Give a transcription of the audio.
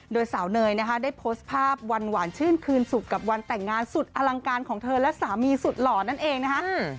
โดยสาวเนยนะคะได้โพสต์ภาพวันหวานชื่นคืนสุขกับวันแต่งงานสุดอลังการของเธอและสามีสุดหล่อนั่นเองนะคะ